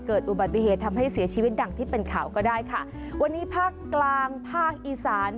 เกิดอุบัติเหตุทำให้เสียชีวิตดังที่เป็นข่าวก็ได้ค่ะวันนี้ภาคกลางภาคอีสาน